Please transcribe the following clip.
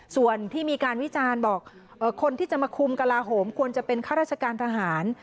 ส่วนที่มีการวิจารณ์บอกคนที่จะมาคุมกระลาโหมควรจะเป็นข้าราชการทหาร